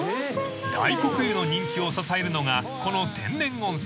［大黒湯の人気を支えるのがこの天然温泉］